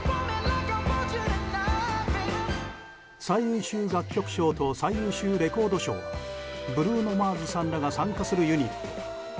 最優秀楽曲賞と最優秀レコード賞はブルーノ・マーズさんらが参加するユニット